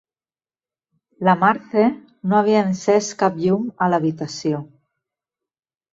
La Marthe no havia encès cap llum a l'habitació.